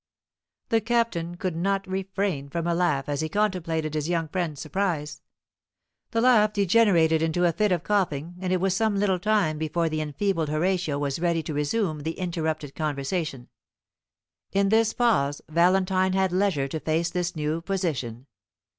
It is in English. The Captain could not refrain from a laugh as he contemplated his young friend's surprise. The laugh degenerated into a fit of coughing, and it was some little time before the enfeebled Horatio was ready to resume the interrupted conversation. In this pause Valentine had leisure to face this new position.